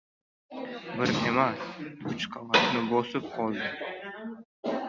bir emas, uch qavatni bosib qoldi.